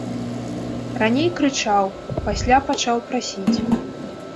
Раней крычаў, пасля пачаў прасіць.